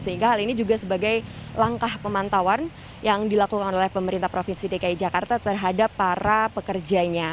sehingga hal ini juga sebagai langkah pemantauan yang dilakukan oleh pemerintah provinsi dki jakarta terhadap para pekerjanya